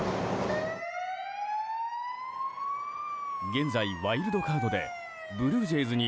現在、ワイルドカードでブルージェイズに